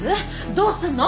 どうすんの？